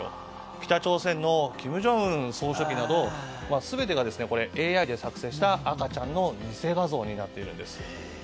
北朝鮮の金正恩総書記など全てがＡＩで作成した赤ちゃんの偽画像なんです。